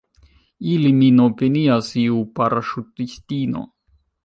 Ili min opinias iu paraŝutistino.